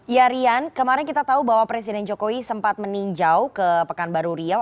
ya rian kemarin kita tahu bahwa presiden jokowi sempat meninjau ke pekanbaru riau